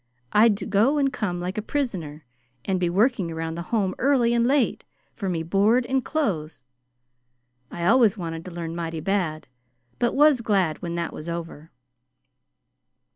I'd to go and come like a prisoner, and be working around the Home early and late for me board and clothes. I always wanted to learn mighty bad, but I was glad when that was over.